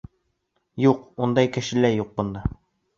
— Юҡ, ундай кеше лә юҡ... бында.